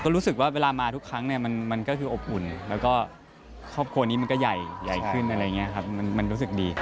รู้สึกว่าเวลามาทุกครั้งเนี่ยมันก็คืออบอุ่นแล้วก็ครอบครัวนี้มันก็ใหญ่ใหญ่ขึ้นอะไรอย่างนี้ครับมันรู้สึกดี